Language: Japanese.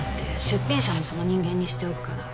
出品者もその人間にしておくから